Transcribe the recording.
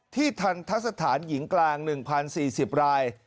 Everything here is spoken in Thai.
ทันทะสถานหญิงกลาง๑๐๔๐ราย